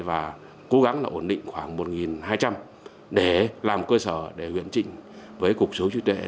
và cố gắng ổn định khoảng một hai trăm linh để làm cơ sở để huyện trịnh với cục sở hữu trí tuệ